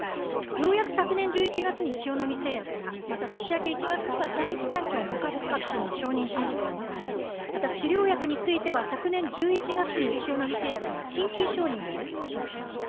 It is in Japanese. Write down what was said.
ようやく昨年１１月に塩野義製薬が、また年明け１月には第一三共がワクチンの承認申請を行い、また治療薬については昨年１１月に塩野義製薬が緊急承認を取得しました。